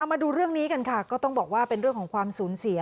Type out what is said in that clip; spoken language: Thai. มาดูเรื่องนี้กันค่ะก็ต้องบอกว่าเป็นเรื่องของความสูญเสีย